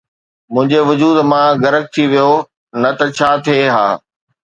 منهنجي وجود مان غرق ٿي ويو، نه ته ڇا ٿئي ها